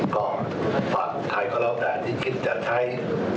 ก็ฝากไทยเขาแล้วได้ที่คิดจะใช้